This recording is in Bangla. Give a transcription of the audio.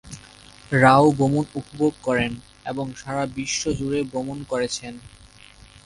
রাও ভ্রমণ উপভোগ করেন এবং সারা বিশ্ব জুড়ে ভ্রমণ করেছেন।